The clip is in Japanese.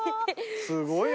すごいね。